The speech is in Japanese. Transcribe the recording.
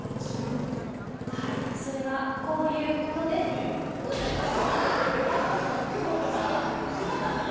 はい、それはこういうことでございます。